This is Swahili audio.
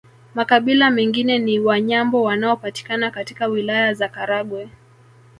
Makabila mengine ni Wanyambo wanaopatikana katika Wilaya za Karagwe